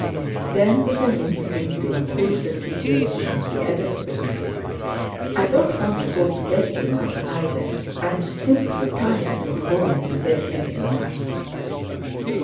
Then with an instinct to improve the situation, he added quickly "I don't want to go to bed to night, either. I'm simply tired of going to bed, every night."